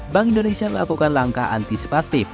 bank indonesia melakukan langkah antisipatif